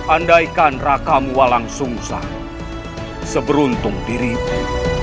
andaikan rakamu walang sungsang seberuntung dirimu